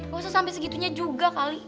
gak usah sampai segitunya juga kali